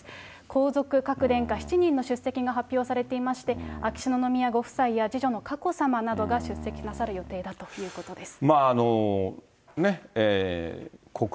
皇族、各殿下７人の出席が発表されていまして、秋篠宮ご夫妻や次女の佳子さまなどが出席なさる予定だということです。